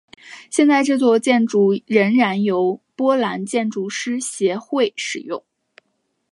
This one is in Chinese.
现在这座建筑仍然由波兰建筑师协会使用。